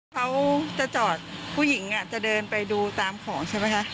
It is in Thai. เขาจะจอดผู้หญิงจะเดินไปดูตามของใช่ไหมคะ